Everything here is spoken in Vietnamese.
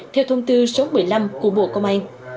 theo thông tư số một mươi năm của bộ công an